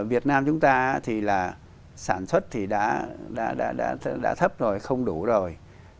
còn ở việt nam chúng ta thì là sản xuất thì đã thấp rồi không đủ rồi